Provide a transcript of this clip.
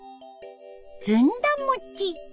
ずんだ餅。